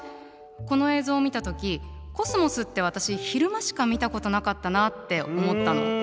この映像を見た時コスモスって私昼間しか見たことなかったなって思ったの。